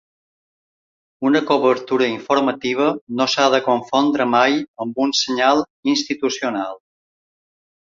Una cobertura informativa no s’ha de confondre mai amb un senyal institucional.